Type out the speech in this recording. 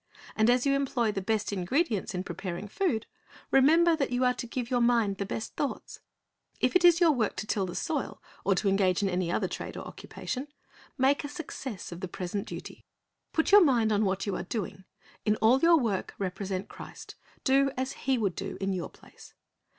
And as you employ the best ingredients in preparing food, remember that you are to give your mind the best thoughts. If it is )'our work to till the soil, or to engage in any other trade or occupation, make a success of the present duty. 360 C h ri s t's O bj c c t Lessons Put your mind on what you are doing. In all your work represent Christ. Do as He would do in your place.